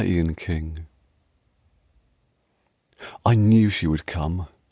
WANTON JUNE I knew she would come!